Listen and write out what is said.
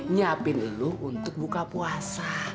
nyiapin lu untuk buka puasa